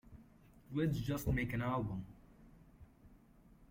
Let's just make an album.